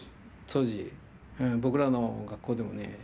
当時僕らの学校でもね。